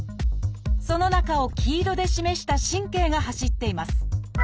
その中を黄色で示した神経が走っています。